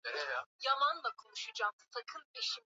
Mpaka baina ya taifa la Botswana na Zambia ni meta mia saba tu